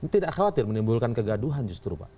tidak khawatir menimbulkan kegaduhan justru pak